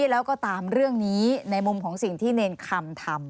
แล้วก็ตามเรื่องนี้ในมุมของสิ่งที่เนรคำทำ